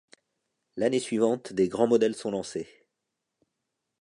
L'année suivante, des grands modèles sont lancés.